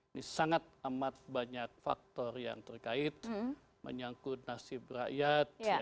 ini sangat amat banyak faktor yang terkait menyangkut nasib rakyat